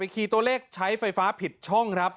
คีย์ตัวเลขใช้ไฟฟ้าผิดช่อง